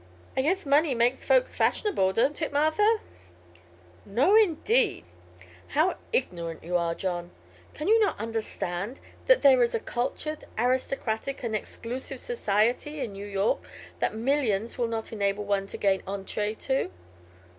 "I guess money makes folks fashionable; don't it, Martha?" "No, indeed. How ignorant you are, John. Can you not understand that there is a cultured, aristocratic and exclusive Society in New York that millions will not enable one to gain entrée to?"